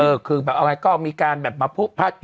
เออคือแบบเอาไงก็มีการแบบมาผู้พัด